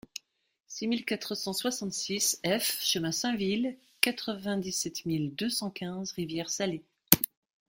six mille quatre cent soixante-six F chemin Sainville, quatre-vingt-dix-sept mille deux cent quinze Rivière-Salée